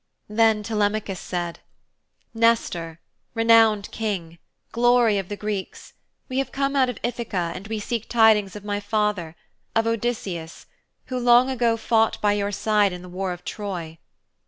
Then Telemachus said: 'Nestor, renowned King, glory of the Greeks, we have come out of Ithaka and we seek tidings of my father, of Odysseus, who, long ago, fought by your side in the war of Troy.